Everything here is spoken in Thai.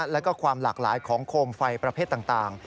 แล้วก็ความหลากหลายของโคมไฟประเภทต่าง